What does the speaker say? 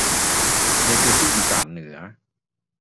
ในพื้นที่อิสานเหนือ